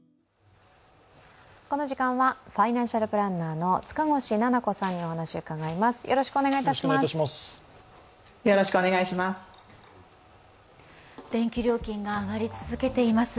この時間はファイナンシャルプランナーの塚越菜々子さんにお話を伺います。